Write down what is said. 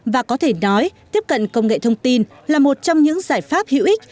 và có thể nói tiếp cận công nghệ thông tin là một trong những giải pháp hữu ích